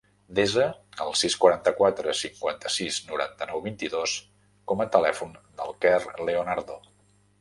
Desa el sis, quaranta-quatre, cinquanta-sis, noranta-nou, vint-i-dos com a telèfon del Quer Leonardo.